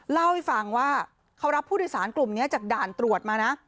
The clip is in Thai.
เล่าให้ฟังว่าเขารับผู้โดยสารกลุ่มนี้จากด่านตรวจมานะ